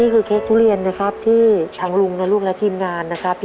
เค้กทุเรียนนะครับที่ชังลุงนะลูกและทีมงานนะครับ